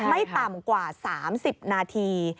ไม่ต่ำกว่า๓๐นาที